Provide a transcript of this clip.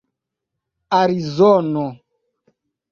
arizono